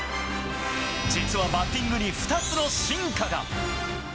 実はバッティングに２つの進化が。